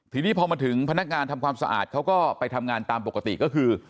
ทีนี้พอมาถึงพนักงานทำความสะอาดเขาก็ไปทำงานตามปกติก็คือ